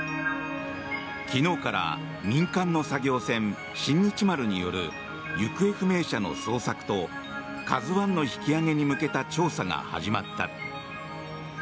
昨日から民間の作業船「新日丸」による行方不明者の捜索と「ＫＡＺＵ１」の引き揚げに向けた調査が始まった。